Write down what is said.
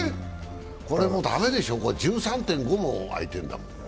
これも駄目でしょう、１３．５もは空いてるんだもん。